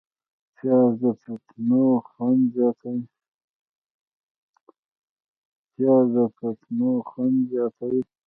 پیاز د فټنو خوند زیاتوي